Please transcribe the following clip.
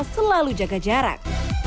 dan juga selalu jaga jarak